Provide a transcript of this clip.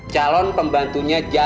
calon pembantunya jainal